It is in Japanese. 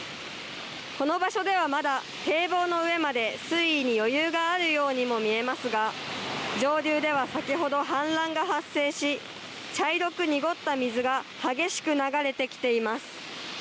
この場所ではまだ堤防の上まで水位に余裕があるようにも見えますが上流では先ほど氾濫が発生し茶色く濁った水が激しく流れてきています。